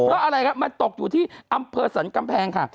เพราะอะไรครับมันตกอยู่ที่อำเภอสรรกำแพงค่ะ